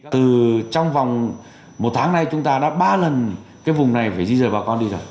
từ trong vòng một tháng nay chúng ta đã ba lần cái vùng này phải di dời bà con